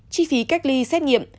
chi phí cách ly xét nghiệm